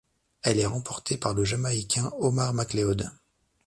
Elle est remportée par le Jamaïcain Omar McLeod.